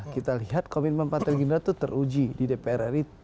kita lihat komitmen partai gerindra itu teruji di dpr ri